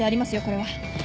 これは。